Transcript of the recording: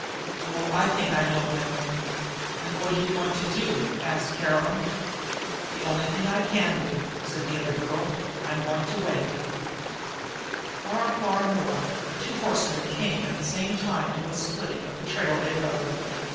Oh, I think I know him!" "And what are you going to do?" asked Caroline. "The only thing I can do," said the other girl. "I'm going to wait." Far, far north two horsemen came at that same moment to a splitting of the trail they rode.